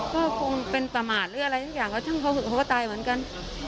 ก็คงเป็นประมาทหรืออะไรสักอย่างแล้วซึ่งเขาก็ตายเหมือนกัน